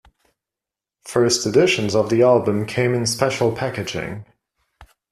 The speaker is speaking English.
First editions of the album came in special packaging.